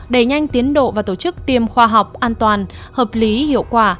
đẩy nhanh tiến độ và tổ chức tiêm khoa học an toàn hợp lý hiệu quả